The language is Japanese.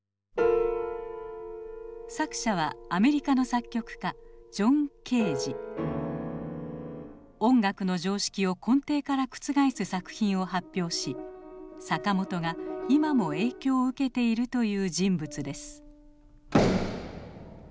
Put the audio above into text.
作者はアメリカの作曲家音楽の常識を根底から覆す作品を発表し坂本が今も影響を受けているという人物です。